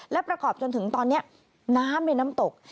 และประกอบจนถึงตอนนี้น้ำในน้ำตก